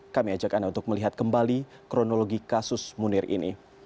kami ajak anda untuk melihat kembali kronologi kasus munir ini